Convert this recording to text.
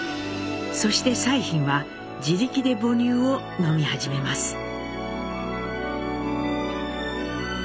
そして彩浜は自力で母乳を飲み始めます。